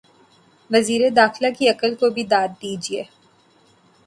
وزیر داخلہ کی عقل کو بھی داد دیجئے۔